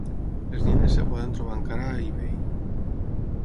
Les nines es poden trobar encara a eBay.